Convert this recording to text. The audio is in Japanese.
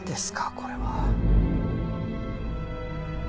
これは。